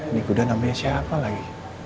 ini kuda namanya siapa lagi